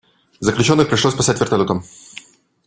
Заключенных пришлось спасать вертолётом.